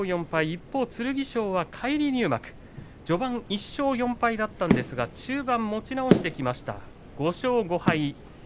一方、剣翔は返り入幕序盤１勝４敗だったんですが中盤、持ち直してきました５勝５敗。